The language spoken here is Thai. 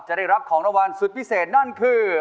จะได้รับของรางวัลสุดพิเศษนั่นคือ